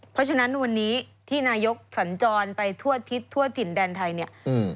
เพราะฉะนั้นวันนี้ที่นายกสัญจรไปทั่วทิศทั่วถิ่นแดนไทยเนี่ย